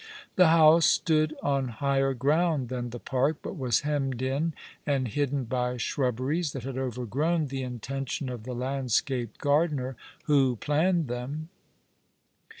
The house stood on higher ground than the park, but was hemmed in and hidden by shrubberies that had overgrown the intention of the landscape gardener who planned them.